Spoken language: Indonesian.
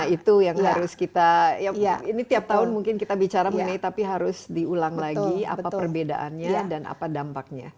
itu yang harus kita ya ini tiap tahun mungkin kita bicara mengenai tapi harus diulang lagi apa perbedaannya dan apa dampaknya